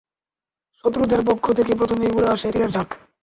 শত্রুদের পক্ষ থেকে প্রথমেই উড়ে আসে তীরের ঝাঁক।